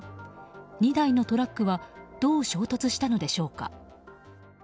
２台のトラックはどう衝突したのでしょうか。